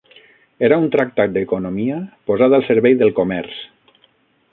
Era un tractat d'economia posat al servei del comerç